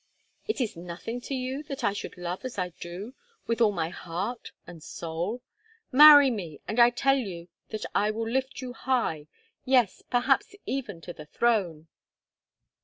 "Is it nothing to you that I should love as I do, with all my heart and soul? Marry me, and I tell you that I will lift you high, yes, perhaps even to the throne."